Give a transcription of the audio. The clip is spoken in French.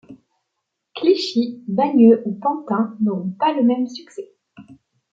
Clichy, Bagneux ou Pantin n'auront pas le même succès.